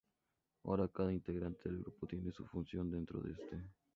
Ahora cada integrante del grupo tiene su función dentro de este.